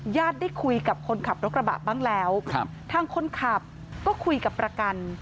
ได้คุยกับคนขับรถกระบะบ้างแล้วครับทางคนขับก็คุยกับประกัน